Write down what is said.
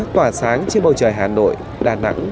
tỏa sáng trên bầu trời hà nội đà nẵng